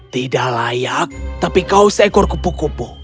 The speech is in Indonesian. tidak layak tapi kau seekor kupu kupu